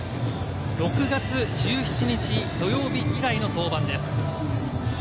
６月１７日、土曜日以来の登板です。